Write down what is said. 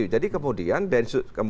jadi kemudian densus